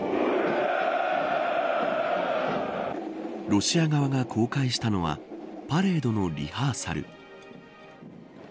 ロシア側が公開したのはパレードのリハーサル。